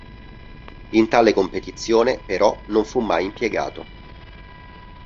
In tale competizione, però, non fu mai impiegato.